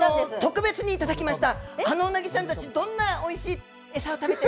特別にいただきました。